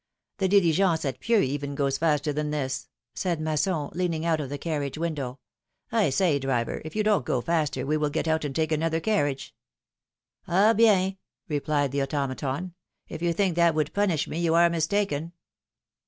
The diligence at Pieux, even, goes faster than this," said Masson, leaning out of the carriage window: ^'1 say, driver, if you don't go faster, we will get out and take another carriage !" ^^Ah, bien !" replied the automaton, if you think that would punish me, you are mistaken."